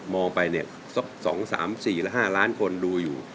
มองไปเนี่ยสองสามสี่หละห้าล้านคนดูอยู่